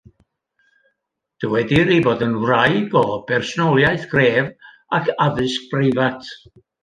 Dywedir ei bod yn wraig o bersonoliaeth gref ac addysg breifat.